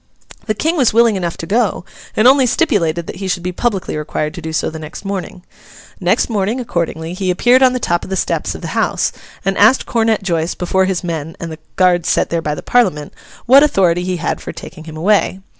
The King was willing enough to go, and only stipulated that he should be publicly required to do so next morning. Next morning, accordingly, he appeared on the top of the steps of the house, and asked Comet Joice before his men and the guard set there by the Parliament, what authority he had for taking him away?